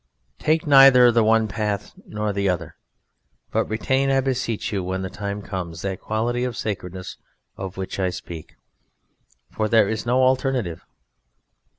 Take neither the one path nor the other, but retain, I beseech you, when the time comes, that quality of sacredness of which I speak, for there is no alternative.